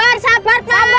pak riza awas pelan pelan